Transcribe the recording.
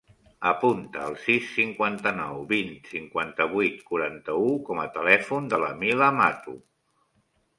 Apunta el sis, cinquanta-nou, vint, cinquanta-vuit, quaranta-u com a telèfon de la Mila Mato.